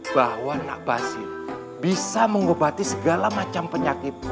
bahwa nak basir bisa mengobati segala macam penyakit